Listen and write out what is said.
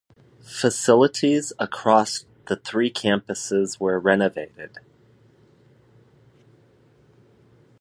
Facilities across the three campuses were renovated.